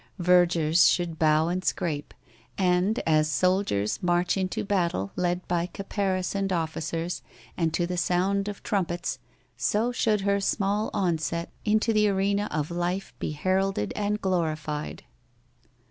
Vergers should bow and scrape and, as soldiers march into battle led by caparisoned officers and to the sound of trumpets, so should her small onset into the arena of life be heralded and glorified.